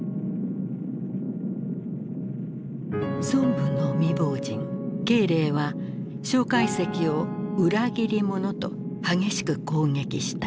孫文の未亡人慶齢は介石を「裏切り者」と激しく攻撃した。